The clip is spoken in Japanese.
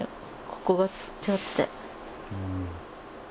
ここがつっちゃって。